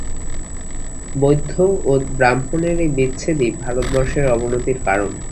বৌদ্ধ ও ব্রাহ্মণের এই বিচ্ছেদই ভারতবর্ষের অবনতির কারণ।